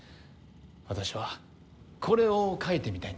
私はこれを書いてみたいんです。